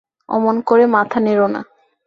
অমন করে মাথা নেড়ো না।